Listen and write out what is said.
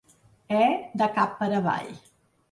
E de cap per avall.